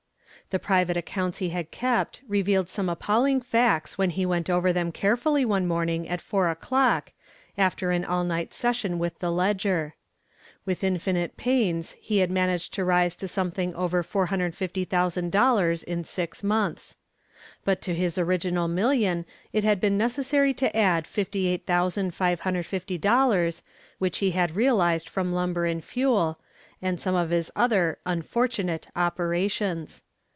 The private accounts he had kept revealed some appalling facts when he went over them carefully one morning at four o'clock, after an all night session with the ledger. With infinite pains he had managed to rise to something over $450,000 in six months. But to his original million it had been necessary to add $58,550 which he had realized from Lumber and Fuel and some of his other "unfortunate" operations.